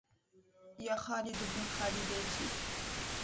يا خالد ابن الخالدات